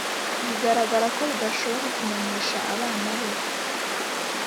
Bigaragara ko bidashoboka kumenyesha abana be